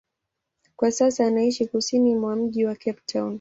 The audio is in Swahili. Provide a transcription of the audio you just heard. Kwa sasa anaishi kusini mwa mji wa Cape Town.